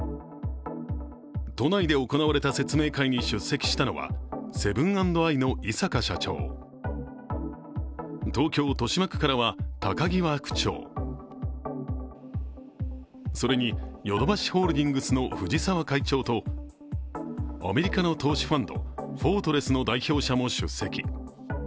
都内で行われた説明会に出席したのは、セブン＆アイの井阪社長、東京・豊島区からは高際区長、それにヨドバシホールディングスの藤沢会長とアメリカの投資ファンドフォートレスの代表者も出席。